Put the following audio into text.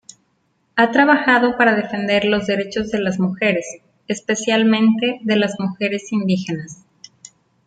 Ha trabajado para defender los derechos de las mujeres, especialmente de las mujeres indígenas.